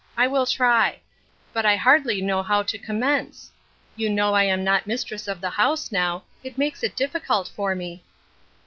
I will try. But I hardly know how to commence. You know I am not mistress of the house now ; it makes it difficult for me."